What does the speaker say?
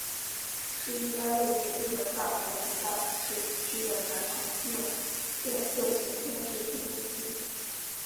是一家位于日本大阪府大阪市北区的男同性恋色情片制片公司。